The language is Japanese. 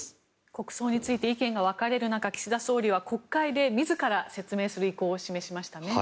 国葬について意見が分かれる中岸田総理は国会で自ら説明する意向を示しましたね。